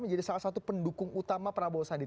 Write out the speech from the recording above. menjadi salah satu pendukung utama prabowo sandi